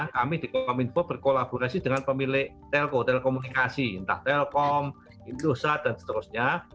kami di kominfo berkolaborasi dengan pemilik telko telekomunikasi entah telkom indosat dan seterusnya